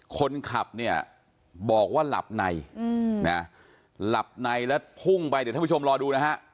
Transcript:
คนขับเนี่ยบอกว่าหลับในหลับในแล้วพุ่งไปเดี๋ยวท่านผู้ชมรอดูนะฮะ